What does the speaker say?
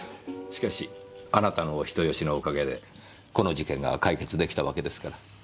しかしあなたのお人好しのおかげでこの事件が解決できたわけですから。